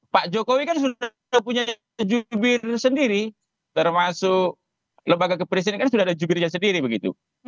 pak jokowi kan sudah punya jubir sendiri termasuk lembaga kepresidenan kan sudah ada jubirnya sendiri begitu